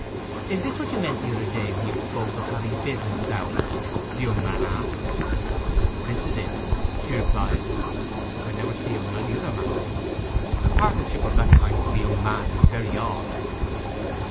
'Is this what you meant the other day when you spoke of having business with Owlett?' the young man asked. 'This is it,' she replied. 'I never see him on any other matter.' 'A partnership of that kind with a young man is very odd.